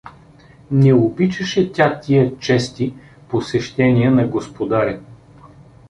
Не обичаше тя тия чести посещения на господаря.